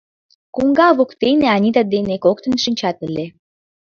Коҥга воктене Анита дене коктын шинчат ыле.